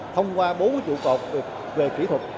thông qua bốn cái trụ cột về kỹ thuật